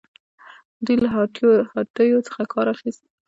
دوی له هاتیو څخه کار اخیست